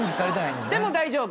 でも大丈夫。